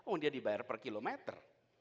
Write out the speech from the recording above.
oh dia dibayar per kilometer